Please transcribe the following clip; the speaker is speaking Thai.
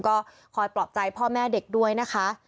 ก็คอยปลอบใจพ่อแม่เด็กด้วยนะคะ